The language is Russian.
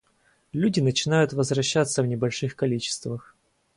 Люди начинают возвращаться в небольших количествах.